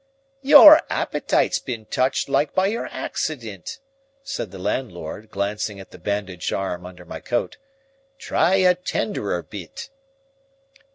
"Your appetite's been touched like by your accident," said the landlord, glancing at the bandaged arm under my coat. "Try a tenderer bit."